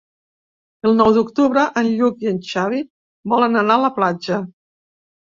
El nou d'octubre en Lluc i en Xavi volen anar a la platja.